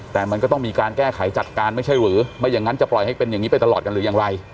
แต่มันก็ต้องมีการแก้ไขจัดการไม่ใช่หรือไม่อย่างนั้นจะปล่อยให้เป็นอย่างนี้ไปตลอดกันหรือยังไร